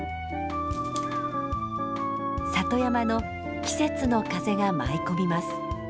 里山の季節の風が舞い込みます。